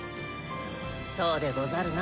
そうでござるな。